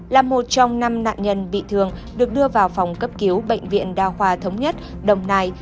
là một trong năm nạn nhân bị thương được đưa vào phòng cấp cứu bệnh viện đa khoa thống nhất đồng nai